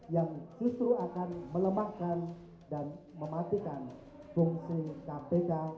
yang justru akan melemahkan dan mematikan fungsi kpk